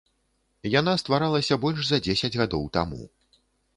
Яна стваралася больш за дзесяць гадоў таму.